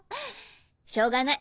しょうがない